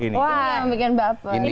ini yang bikin baper